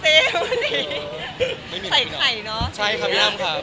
เธอจะพิสูจน์ตลอดไหมคะ